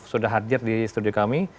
sudah hadir di studio kami